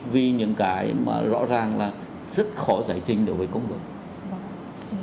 vì những cái mà rõ ràng là rất khó giải trình đối với công việc